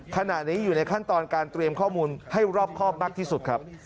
ขณะนี้อยู่ในขั้นตอนการเตรียมข้อมูลให้รอบครอบมากที่สุดครับ